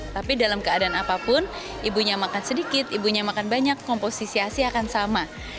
tapi dalam keadaan apapun ibunya makan sedikit ibunya makan banyak komposisi asi akan sama